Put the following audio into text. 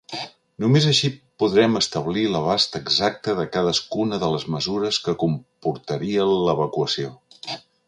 Només així podrem establir l'abast exacte de cadascuna de les mesures que comportaria l'evacuació.